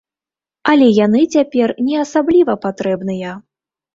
Але яны цяпер не асабліва патрэбныя.